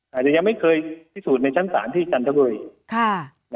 อาจจะยังไม่เคยพิสูจน์ในชั้นศาลที่จันทบุรี